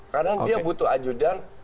karena dia butuh ajudan